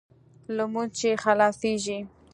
لمونځ چې خلاصېږي.